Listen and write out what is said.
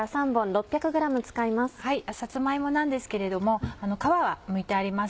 さつま芋なんですけれども皮はむいてあります。